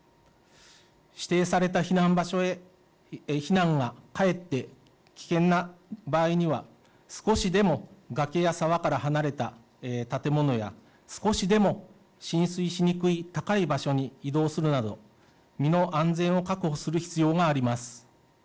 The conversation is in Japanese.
指定された避難場所へ避難がかえって危険な場合には少しでも崖や沢から離れた建物や少しでも浸水しにくい高い場所に移動するなど、身の安全を確保する必要があります。